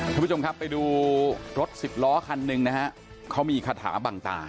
คุณผู้ชมครับไปดูรถสิบล้อคันหนึ่งนะฮะเขามีคาถาบังตา